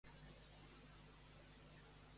On era el Jordi quan va obtenir les fortunes?